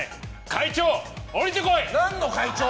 会長、降りて来い！